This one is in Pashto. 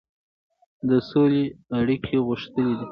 هېواد د سولې اړیکې غښتلې کوي.